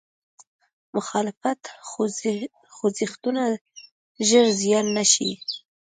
مخالف خوځښتونه ژر زیان نه شي.